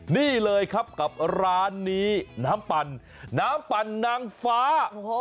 นี่เลยครับกับร้านนี้น้ำปั่นน้ำปั่นนางฟ้า